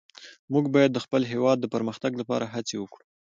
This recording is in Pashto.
موږ باید د خپل هېواد د پرمختګ لپاره هڅې وکړو.